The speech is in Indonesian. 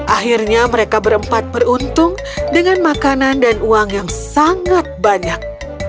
akhirnya mereka berempat beruntung dengan makanan dan uang yang sangat banyak